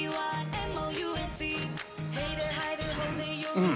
うん！